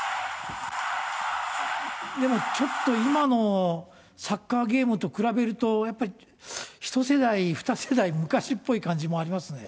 でもちょっと今のサッカーゲームと比べると、やっぱりひと世代、ふた世代、昔っぽい感じもありますね。